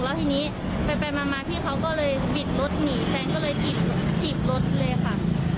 แล้วทีนี้ไปมาพี่เขาก็เลยบิดรถหนีแฟนก็เลยถีบรถเลยค่ะ